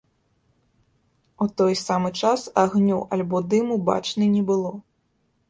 У той самы час агню, альбо дыму бачна не было.